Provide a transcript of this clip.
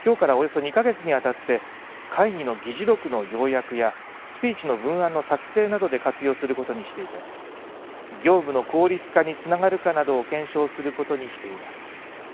こうした中、長野県はきょうからおよそ２か月にわたって会議の議事録の要約やスピーチの文案の作成などで活用することにしていて業務の効率化につながるかなどを検証することにしています。